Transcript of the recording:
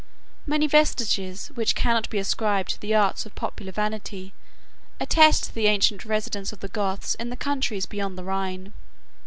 6 Many vestiges, which cannot be ascribed to the arts of popular vanity, attest the ancient residence of the Goths in the countries beyond the Rhine.